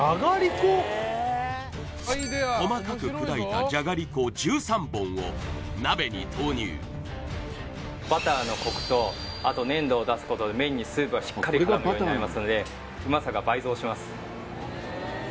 細かく砕いたじゃがりこ１３本を鍋に投入バターのコクとあと粘度を出すことで麺にスープがしっかり絡むようになりますのでうまさが倍増します